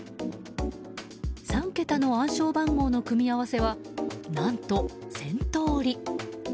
３桁の暗証番号の組み合わせは何と１０００通り。